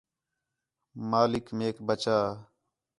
مالک میک بچا